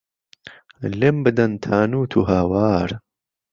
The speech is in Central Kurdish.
لێم بدەن تانووت و هاوار